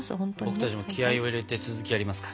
僕たちも気合を入れて続きやりますか。